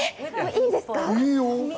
いいんですか？